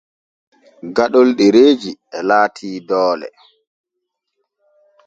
Gaɗol ɗereeji e laati doole.